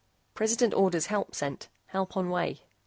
PRESIDENT ORDERS HELP SENT. HELP ON WAY.